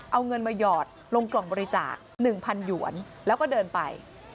เอาเงินมาหยอดลงกล่องบริจาค๑๐๐หยวนแล้วก็เดินไป